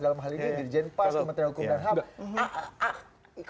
dalam hal ini dirjen pas kementerian hukum dan ham